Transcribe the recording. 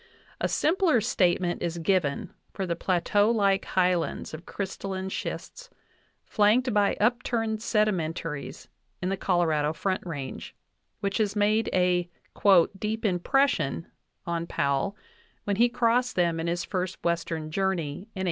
A simpler statement is given for the plateau like highlands of crystalline schists, flanked by upturned sedimentaries in the Colorado Front Range, which had made a "deep impression" on Powell when he crossed them in his first Western journey in 1867.